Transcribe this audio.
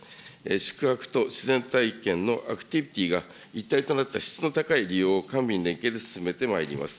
宿泊と自然体験のアクティビティーが一体となった質の高い利用を官民連携で進めてまいります。